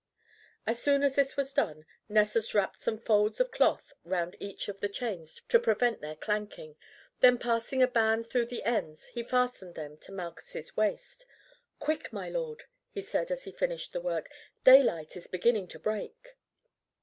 As soon as this was done Nessus wrapped some folds of cloth round each of the chains to prevent their clanking, then passing a band through the ends he fastened them to Malchus' waist. "Quick, my lord," he said as he finished the work; "daylight is beginning to break."